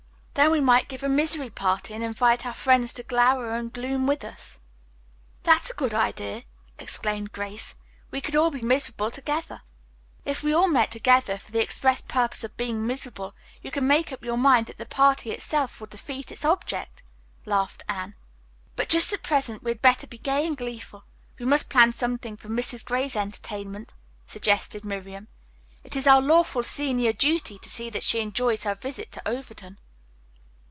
Then we might give a misery party and invite our friends to glower and gloom with us." "That's a good idea!" exclaimed Grace. "We could all be miserable together." "If we all met together for the express purpose of being miserable, you can make up your mind that the party itself would defeat its object," laughed Anne. "But just at present we had better be gay and gleeful. We must plan something for Mrs. Gray's entertainment," suggested Miriam. "It is our lawful senior duty to see that she enjoys her visit to Overton."